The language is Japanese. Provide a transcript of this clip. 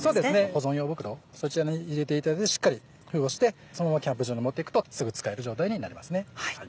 保存用袋そちらに入れていただいてしっかり封をしてそのままキャンプ場に持って行くとすぐ使える状態になりますね。